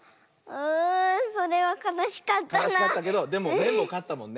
うそれはかなしかったな。かなしかったけどでもめんぼうかったもんね。